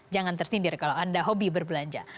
jangan tersindir kalau anda hobi berbelanja